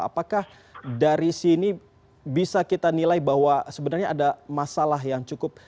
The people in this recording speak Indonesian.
apakah dari sini bisa kita nilai bahwa sebenarnya ada masalah yang cukup